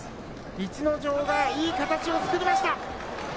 逸ノ城がいい形を作りました。